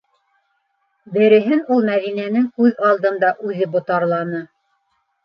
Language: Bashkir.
Береһен ул Мәҙинәнең күҙ алдында үҙе ботарланы.